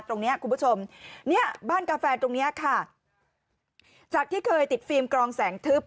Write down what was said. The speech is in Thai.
ตรงเนี้ยคุณผู้ชมเนี้ยบ้านกาแฟตรงเนี้ยค่ะจากที่เคยติดฟิล์มกรองแสงทึบ